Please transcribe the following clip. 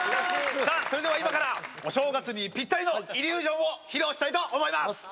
さあ、それでは今からお正月にぴったりのイリュージョンを披露したいと思います。